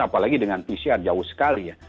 apalagi dengan pcr jauh sekali ya